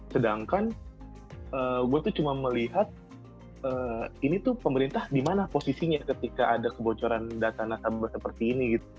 sedangkan gue tuh cuma melihat ini tuh pemerintah di mana posisinya ketika ada kebocoran data nasabah seperti ini gitu